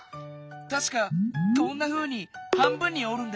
たしかこんなふうに半分におるんだよね。